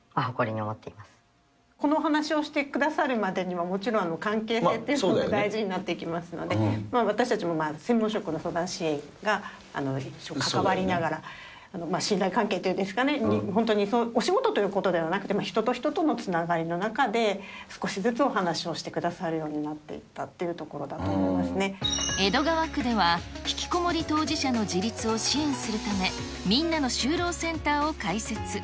このお話をしてくださるまでには、もちろん関係性というのが大事になっていきますので、私たちも専門職の相談支援員が関わりながら、信頼関係っていうんですかね、本当にお仕事ということではなくて、人と人とのつながりの中で、少しずつお話をしてくださるようになっていったというところだと江戸川区では、ひきこもり当事者の自立を支援するため、みんなの就労センターを開設。